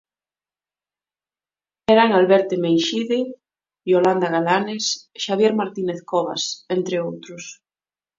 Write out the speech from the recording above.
Eran Alberte Meixide, Iolanda Galanes, Xavier Martinez Cobas, entre outros.